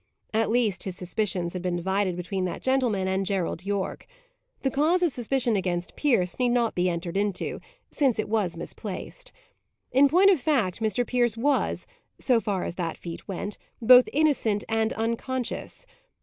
At least, his suspicions had been divided between that gentleman and Gerald Yorke. The cause of suspicion against Pierce need not be entered into, since it was misplaced. In point of fact, Mr. Pierce was, so far as that feat went, both innocent and unconscious.